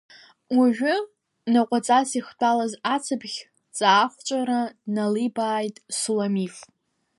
Уажәы, наҟәаҵас ихтәалаз ацԥхь ҵаахәҵәара дналибааитСуламиф…